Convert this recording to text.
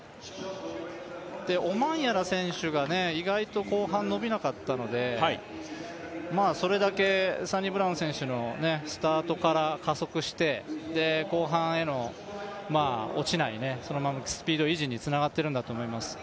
オマンヤラ選手が後半伸びなかったのでそれだけサニブラウン選手のスタートから加速して、後半への落ちない、そのままスピード維持につながっているんだと思います。